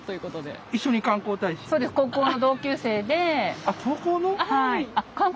あっ高校の。